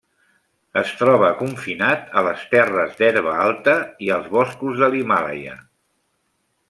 Es troba confinat a les terres d'herba alta i als boscos de l'Himàlaia.